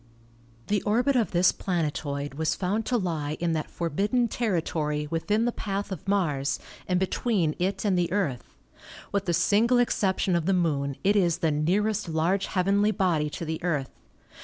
The orbit of this planetoid was found to lie in that forbidden territory within the path of Mars and be tween it and the Earth. With the single exception of the Moon it is the nearest large heavenly body to the Earth.